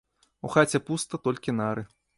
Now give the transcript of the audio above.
У хаце пуста, толькі нары.